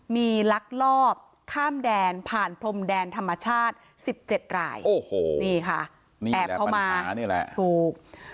มีลักลอบข้ามแดนผ่านพรมแดนธรรมชาติสิบเจ็ดรายโอ้โหนี่ค่ะนี่แหละปัญหานี่แหละถูก